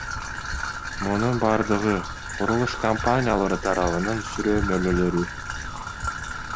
Мунун бардыгы курулуш компаниялары тарабынын сүрөмөлөөлөрү.